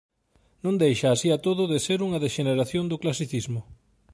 Non deixa así a todo de ser unha dexeneración do Clasicismo.